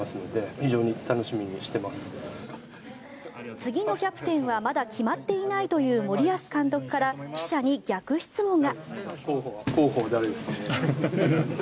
次のキャプテンはまだ決まっていないという森保監督から記者に逆質問が。